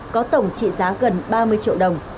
có tổng trị giá gần ba mươi triệu đồng